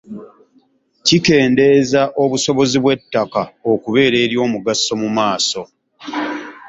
Kikendeeza obusobozi bw’ettaka okubeera ery’omugaso mu maaso.